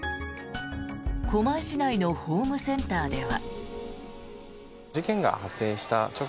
狛江市内のホームセンターでは。